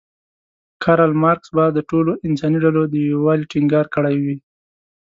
کارل مارکس به د ټولو انساني ډلو د یووالي ټینګار کړی وی.